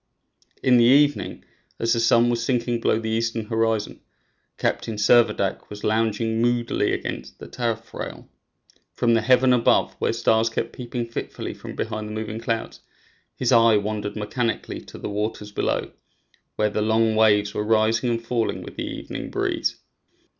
In the evening, as the sun was sinking below the eastern horizon, Captain Servadac was lounging moodily against the taffrail. From the heaven above, where stars kept peeping fitfully from behind the moving clouds, his eye wandered mechanically to the waters below, where the long waves were rising and falling with the evening breeze.